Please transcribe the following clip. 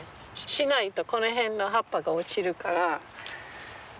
しないとこの辺の葉っぱが落ちるから。